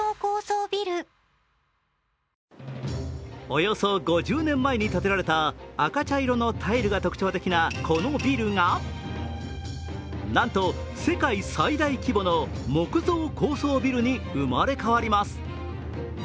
およそ５０年前に建てられた赤茶色のタイルが特徴的なこのビルがなんと世界最大規模の木造高層ビルに生まれ変わります。